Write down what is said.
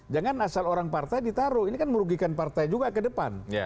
jangan asal orang partai ditaruh ini kan merugikan partai juga ke depan